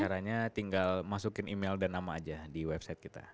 caranya tinggal masukin email dan nama aja di website kita